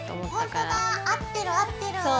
ほんとだ合ってる合ってる。